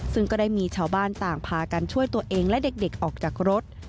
ซึ่งก็ได้มีชาวบ้านต่างพากันช่วยตัวเองและเด็กออกจากรถ